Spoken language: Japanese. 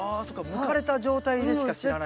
むかれた状態でしか知らないと。